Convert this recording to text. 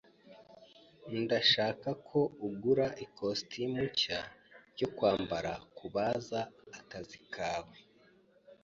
Ndashaka ko ugura ikositimu nshya yo kwambara kubaza akazi kawe.